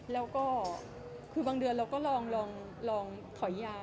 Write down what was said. แล้วก็คือบางเดือนเราก็ลองถอยยา